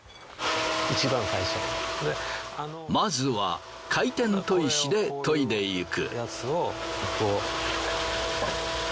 まずは回転砥石で研いでゆく。